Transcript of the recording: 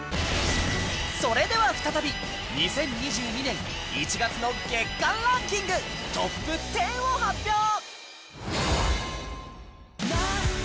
それでは再び２０２２年１月の月間ランキングＴＯＰ１０を発表！